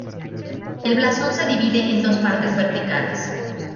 El blasón se divide en dos partes verticales.